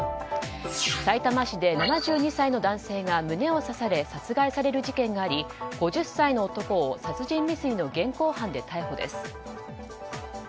さいたま市で７２歳の男性が胸を刺され殺害される事件があり５０歳の男を殺人未遂の現行犯で逮捕です。